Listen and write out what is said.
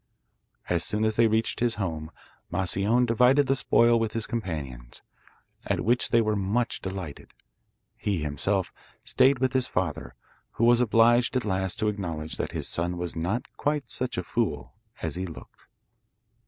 As soon as they reached his home, Moscione divided his spoil with his companions, at which they were much delighted. He, himself, stayed with his father, who was obliged at last to acknowledge that his son was not quite such a fool as he looked.